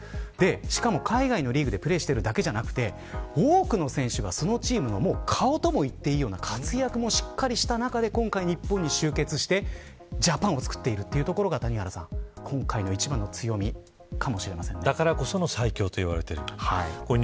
しかも、海外リーグでプレーしているだけでなくて多くの選手がそのチームの顔とも言っていいような活躍もしっかりした中で今回、集結してジャパンを作っているところが谷原さん、今回の一番のだからこその最強と言われている。